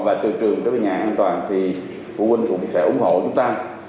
và từ trường đến nhà an toàn thì phụ huynh cũng sẽ ủng hộ chúng ta